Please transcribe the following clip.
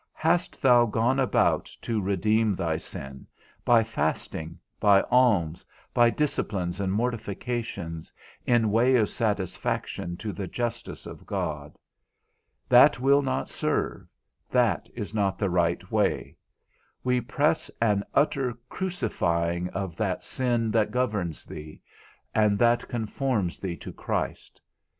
Hast thou gone about to redeem thy sin, by fasting, by alms, by disciplines and mortifications, in way of satisfaction to the justice of God? That will not serve, that is not the right way; we press an utter crucifying of that sin that governs thee: and that conforms thee to Christ.